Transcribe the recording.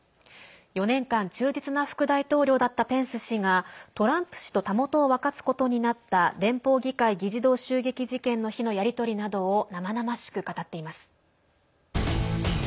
４年間、忠実な副大統領だったペンス氏がトランプ氏とたもとを分かつことになった連邦議会議事堂襲撃事件の日のやり取りなどを生々しく語っています。